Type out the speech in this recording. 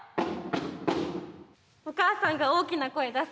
お母さんが大きな声出すから。